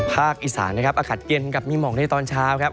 อีสานนะครับอากาศเย็นกับมีหมอกในตอนเช้าครับ